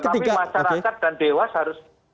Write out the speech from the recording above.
tetapi masyarakat dan dewas harus